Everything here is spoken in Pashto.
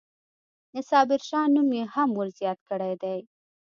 د صابرشاه نوم یې هم ورزیات کړی دی.